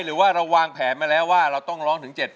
หรือว่าเราวางแผนมาแล้วว่าเราต้องร้องถึง๗